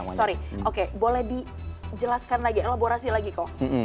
oke boleh dijelaskan lagi elaborasi lagi kok